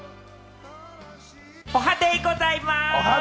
おはデイございます！